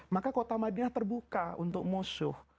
maka kota madiah terbuka untuk musuh